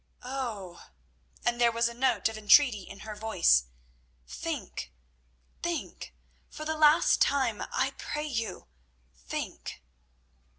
Oh!" and there was a note of entreaty in her voice, "think, think! For the last time, I pray you think!"